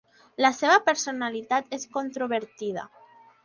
La seva personalitat és controvertida.